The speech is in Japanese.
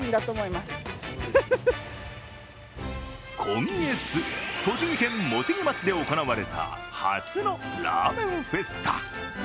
今月、栃木県茂木町で行われた初のラーメンフェスタ。